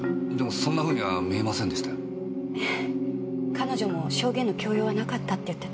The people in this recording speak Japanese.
彼女も証言の強要はなかったって言ってた。